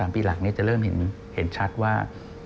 ปีหลังนี้จะเริ่มเห็นชัดว่า